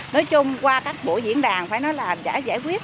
nói chung qua các buổi diễn đàn phải nói là giải quyết